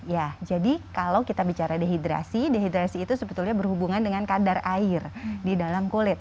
ya jadi kalau kita bicara dehidrasi dehidrasi itu sebetulnya berhubungan dengan kadar air di dalam kulit